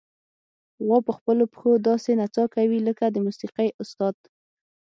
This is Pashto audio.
غوا په خپلو پښو داسې نڅا کوي لکه د موسیقۍ استاد.